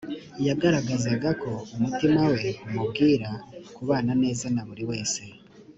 yagaragazaga ko umutima we umubwira kubana neza na buri wese